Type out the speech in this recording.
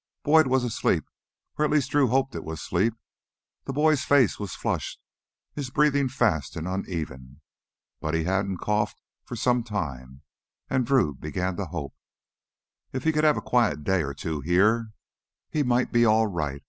Boyd was asleep, or at least Drew hoped it was sleep. The boy's face was flushed, his breathing fast and uneven. But he hadn't coughed for some time, and Drew began to hope. If he could have a quiet day or two here, he might be all right.